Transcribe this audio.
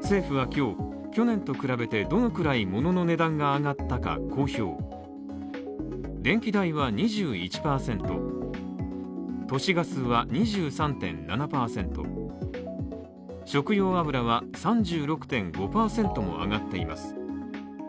政府は今日、去年と比べてどのくらい物の値段が上がったか、公表電気代は２１％、都市ガスは２３．７％、食用油は３６．５％も上がっています。